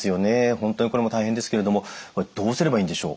本当にこれも大変ですけれどもどうすればいいんでしょう？